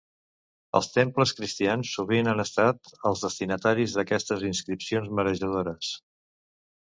Els temples cristians sovint han estat els destinataris d'aquestes inscripcions marejadores.